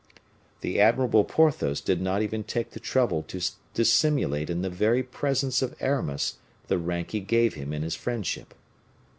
The admirable Porthos did not even take the trouble to dissimulate in the very presence of Aramis the rank he gave him in his friendship.